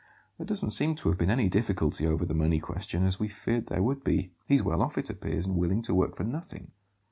There doesn't seem to have been any difficulty over the money question, as we feared there would be. He's well off, it appears, and willing to work for nothing."